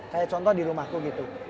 kayak contoh di rumahku gitu